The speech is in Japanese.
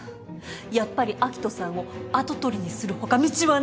やっぱり明人さんを跡取りにする他道はない。